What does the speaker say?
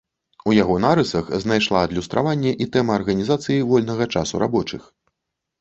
У яго нарысах знайшла адлюстраванне і тэма арганізацыі вольнага часу рабочых.